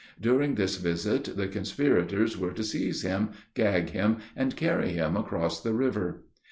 During this visit, the conspirators were to seize him, gag him, and carry him across the river.